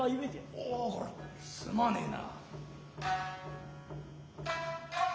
おおコレはすまねえな。